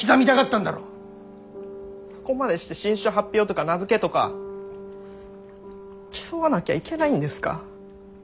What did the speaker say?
そこまでして新種発表とか名付けとか競わなきゃいけないんですか？